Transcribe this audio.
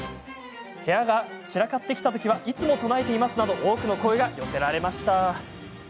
「部屋が散らかってきた時はいつも唱えています」など多くの声が寄せられました。